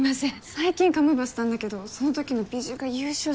最近カムバしたんだけどその時のビジュが優勝してて。